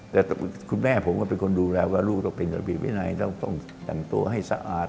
แต่คุณแม่ผมก็เป็นคนดูแลว่าลูกต้องเป็นระเบียบวินัยต้องแต่งตัวให้สะอาด